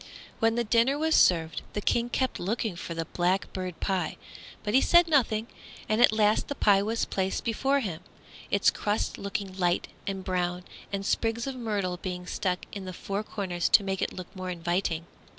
When the dinner was served, the King kept looking for the blackbird pie, but he said nothing, and at last the pie was placed before him, its crusts looking light and brown, and sprigs of myrtle being stuck in the four corners to make it look more inviting.